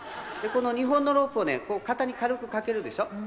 この２本のロープをこう肩に軽くかけるでしょ。